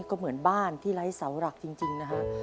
ก็เหมือนบ้านที่ไร้เสาหลักจริงนะฮะ